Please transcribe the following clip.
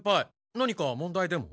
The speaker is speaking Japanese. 何か問題でも？